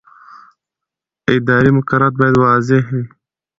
اداري مقررات باید واضح وي.